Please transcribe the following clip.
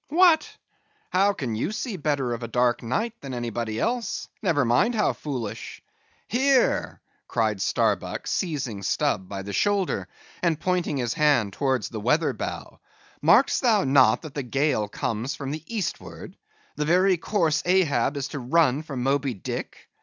"What! how can you see better of a dark night than anybody else, never mind how foolish?" "Here!" cried Starbuck, seizing Stubb by the shoulder, and pointing his hand towards the weather bow, "markest thou not that the gale comes from the eastward, the very course Ahab is to run for Moby Dick?